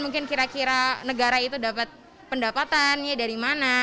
mungkin kira kira negara itu dapat pendapatannya dari mana